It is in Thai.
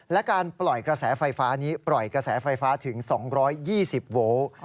และการปล่อยกระแสไฟฟ้านี้ปล่อยกระแสไฟฟ้าถึง๒๒๐โวลต์